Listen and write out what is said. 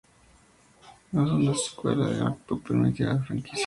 No es solo una secuela, es un acto de penitencia de la franquicia.